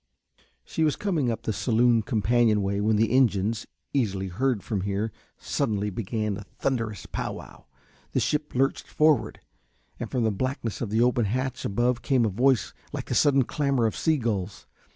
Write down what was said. She was coming up the saloon companion way when the engines, easily heard from here, suddenly began a thunderous pow wow; the ship lurched forward, and from the blackness of the open hatch above came a voice like the sudden clamour of sea gulls.